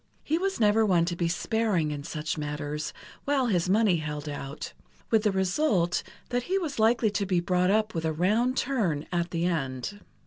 He was never one to be sparing in such matters while his money held out, with the result that he was likely to be brought up with a round turn, at the end.